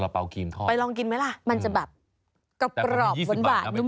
ไปลองกินมั้ยล่ะมันจะแบบกระปรอบบนบาทนุ่ม